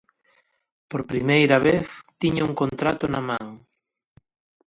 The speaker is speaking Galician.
Por primeira vez tiña un contrato na man.